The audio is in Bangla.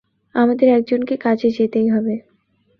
আমাদের একজনকে কাজে যেতেই হবে।